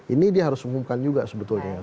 ini dia harus umumkan juga sebetulnya